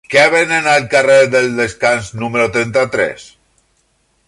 Què venen al carrer del Descans número trenta-tres?